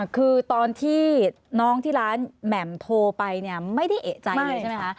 คือตอนที่น้องที่ร้านแหม่มโทรไปเนี่ยไม่ได้เอกใจเลยใช่ไหมคะ